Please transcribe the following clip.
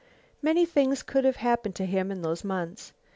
Many things could have happened to him in those months.